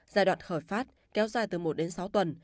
giai đoạn khởi phát kéo dài từ một đến sáu tuần